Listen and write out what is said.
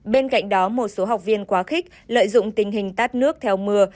bên cạnh đó một số học viên quá khích lợi dụng tình hình tát nước theo mưa